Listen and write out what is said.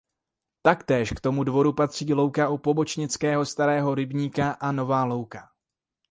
Taktéž k tomuto dvoru patří louka u Pobočnického starého rybníka a Nová louka.